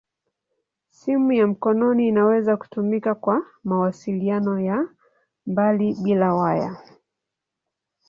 Simu ya mkononi inaweza kutumika kwa mawasiliano ya mbali bila waya.